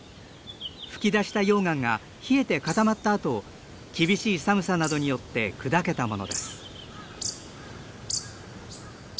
噴き出した溶岩が冷えて固まったあと厳しい寒さなどによって砕けたものです。